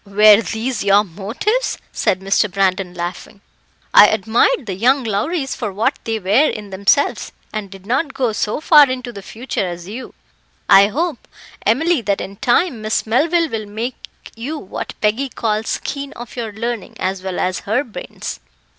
"Were these your motives?" said Mr. Brandon, laughing. "I admired the young Lowries for what they were in themselves, and did not go so far into the future as you. I hope, Emily, that in time, Miss Melville will make you what Peggy calls keen of your learning, as well as her bairns."